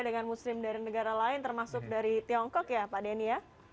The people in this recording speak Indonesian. dengan muslim dari negara lain termasuk dari tiongkok ya pak denny ya